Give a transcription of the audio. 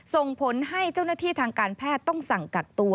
ส่งผลให้เจ้าหน้าที่ทางการแพทย์ต้องสั่งกักตัว